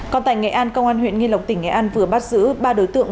còn tại nghệ an công an huyện nghi lộc tỉnh nghệ an vừa bắt giữ ba đối tượng